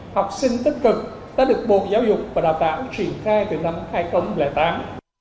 học sinh tích cực đã được bộ giáo dục và đào tạo triển khai từ năm hai nghìn tám